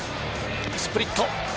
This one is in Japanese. スプリット。